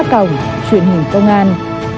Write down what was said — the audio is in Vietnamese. a cộng truyền hình công an